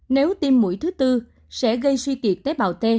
nếu tim mũi thứ tư sẽ gây suy kiệt tế bào t